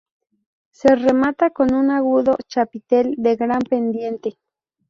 Se remata con un agudo chapitel de gran pendiente.